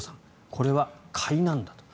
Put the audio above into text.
これは買いなんだと。